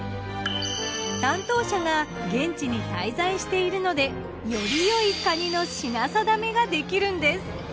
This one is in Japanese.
担当者が現地に滞在しているのでより良いかにの品定めができるんです。